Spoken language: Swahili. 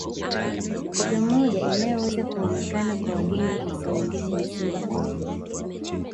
Koppe moja inayoweza kuonekana kwa wageni huko Serengeti ni Simba Koppe